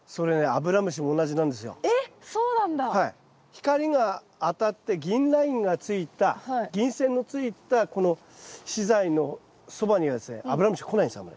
光が当たって銀ラインがついた銀線のついたこの資材のそばにはですねアブラムシ来ないんですよ